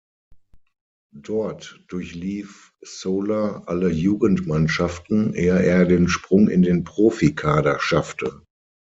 Dort durchlief Šola alle Jugendmannschaften, ehe er den Sprung in den Profikader schaffte.